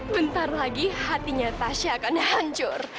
bentar lagi hatinya tasya akan hancur